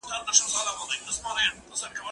دا پلان له هغه ګټور دی؟